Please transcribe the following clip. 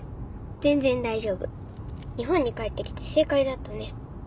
全然大丈夫日本に帰ってきて正解だったね。